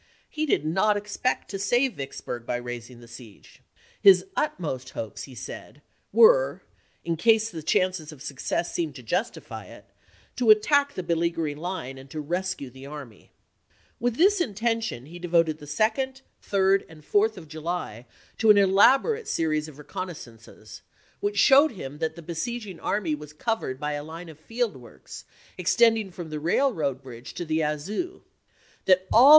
He did not expect to save Vicksburg by raising the siege. His utmost hopes, he said, were, in case the chances of success seemed to justify it, to attack the beleaguering line, and to rescue the army. With this intention he devoted the 2d, 3d, and VICKSBURG 299 4th of July to an elaborate series of reconnais chap.x. sances, which showed him that the besieging army Johnston, was covered by a line of field works extending Vol^xxiv. from the railroad bridge to the Yazoo ; that all the ppf fii,1^.